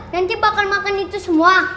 nanti bakal makan itu semua